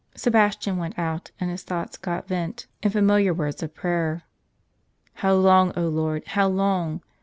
Sebastian went out ; and his thoughts got vent in familiar words of prayer. "How long, 0 Lord! how long?